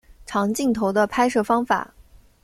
长镜头的拍摄方法。